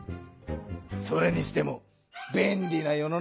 それにしてもべんりな世の中だな。